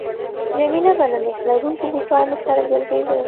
جميله به له میخ لرونکو بوټانو سره ګرځېده.